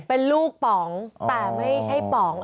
เป็นลูกป๋องแต่ไม่ใช่ป๋อง